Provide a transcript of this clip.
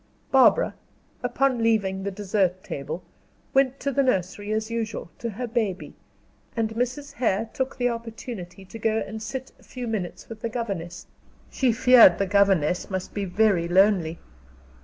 Barbara, upon leaving the dessert table, went to the nursery, as usual, to her baby, and Mrs. Hare took the opportunity to go and sit a few minutes with the governess she feared the governess must be very lonely.